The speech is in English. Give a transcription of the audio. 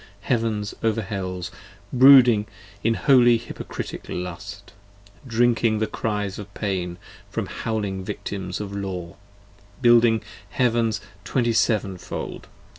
Heavens over Hells Brooding in holy hypocritic lust, drinking the cries of pain From howling victims of Law: building Heavens Twenty seven fold.